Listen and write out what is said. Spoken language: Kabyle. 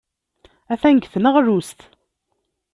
Atan deg tneɣlust.